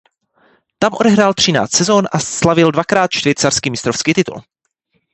Tam odehrál třináct sezón a slavil dvakrát švýcarský mistrovský titul.